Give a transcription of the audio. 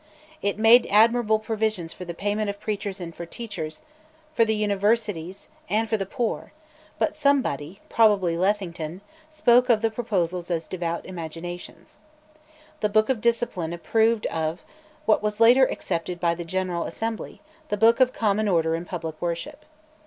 It made admirable provisions for the payment of preachers and teachers, for the Universities, and for the poor; but somebody, probably Lethington, spoke of the proposals as "devout imaginations." The Book of Discipline approved of what was later accepted by the General Assembly, The Book of Common Order in Public Worship.